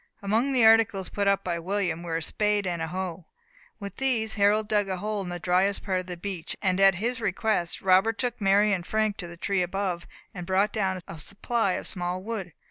Among the articles put up by William were a spade and a hoe. With these Harold dug a hole in the dryest part of the beach; and, at his request, Robert took Mary and Frank to the tree above, and brought down a supply of small wood.